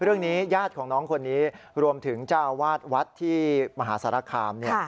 เรื่องนี้ญาติของน้องคนนี้รวมถึงเจ้าอาวาสวัดที่มหาสารคาม